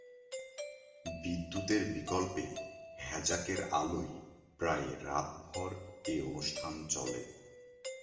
বিদ্যুতের বিকল্পে হ্যাজাকের আলোয় প্রায় রাতভর এ অনুষ্ঠান চলে।